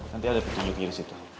nanti ada pintu jari di situ